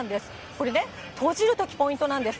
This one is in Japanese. これね、閉じるときポイントなんです。